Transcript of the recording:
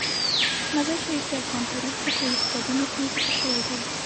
مزارشریف د افغان تاریخ په ټولو کتابونو کې ذکر شوی دی.